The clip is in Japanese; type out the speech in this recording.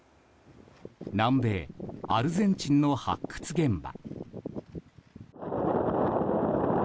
南米アルゼンチンの発掘現場。